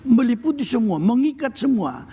meliputi semua mengikat semua